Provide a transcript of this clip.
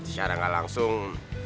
secara gak langsung